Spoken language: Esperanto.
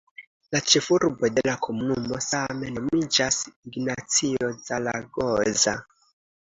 La ĉefurbo de la komunumo same nomiĝas "Ignacio Zaragoza".